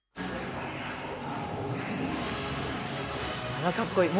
あらかっこいい。